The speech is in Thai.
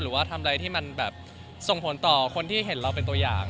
หรือว่าทำอะไรที่มันแบบส่งผลต่อคนที่เห็นเราเป็นตัวอย่าง